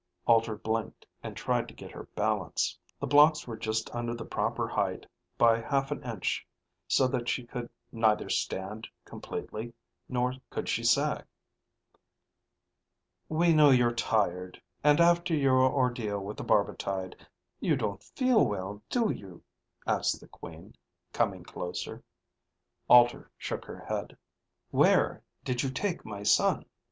Alter blinked and tried to get her balance. The blocks were just under the proper height by half an inch so that she could neither stand completely nor could she sag. "We know you're tired, and after your ordeal with the barbitide you don't feel well, do you?" asked the Queen, coming closer. Alter shook her head. "Where did you take my son?"